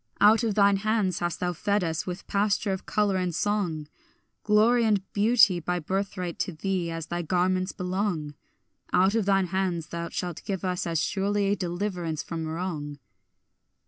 Out of thine hands hast thou fed us with pasture of colour and song; Glory and beauty by birthright to thee as thy garments belong; Out of thine hands thou shalt give us as surely deliverance from wrong.